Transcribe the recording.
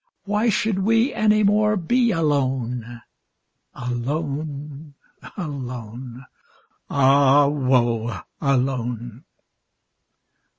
Why should we any more be alone? Alone, alone, ah woe! alone!